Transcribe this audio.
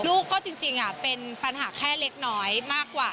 ลูกก็จริงเป็นปัญหาแค่เล็กน้อยมากกว่า